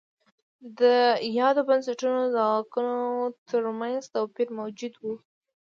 د یادو بنسټونو د واکونو ترمنځ توپیر موجود و.